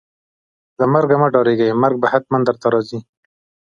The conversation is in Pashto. له مرګ مه ډاریږئ ، مرګ به ختمن درته راځي